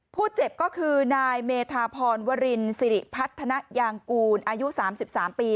ผู้เจ็บก็คือนายเมธาพรวรินสิริพัฒนายางกูลอายุ๓๓ปี